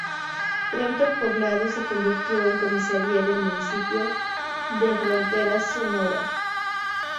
Pronto el poblado se convirtió en comisaría del Municipio de Fronteras, Sonora.